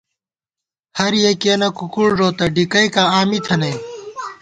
ہر یَکِیَنہ کُکُڑ ݫوتہ ، ڈِکَئیکاں آں می تھنَئیم